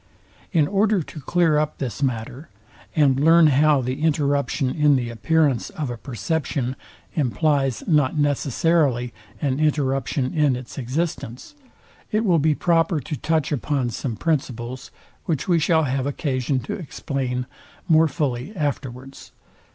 In order to clear up this matter, and learn how the interruption in the appearance of a perception implies not necessarily an interruption in its existence, it will be proper to touch upon some principles, which we shall have occasion to explain more fully afterwards.